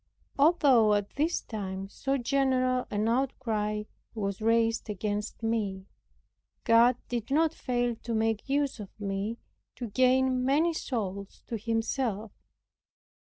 Although at this time so general an outcry was raised against me, God did not fail to make use of me to gain many souls to Himself.